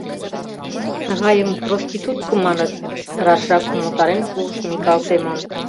— Тыгайым проститутка маныт, — рашрак умылтарен пуыш Микал Семон.